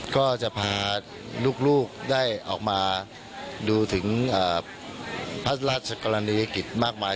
ก็จะพาลูกได้ออกมาดูถึงพระราชกรณียกิจมากมาย